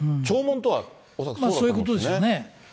弔問とは、そういうことですよね。